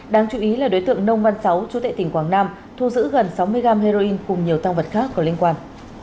đáng chú ý là đối tượng nông văn sáu chú tệ tỉnh quảng nam thu giữ gần sáu mươi gam heroin cùng nhiều tăng vật khác có liên quan